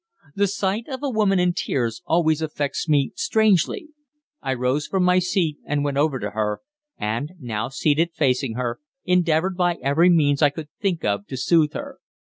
The sight of a woman in tears always affects me strangely. I rose from my seat and went over to her, and, now seated facing her, endeavoured by every means I could think of to soothe her.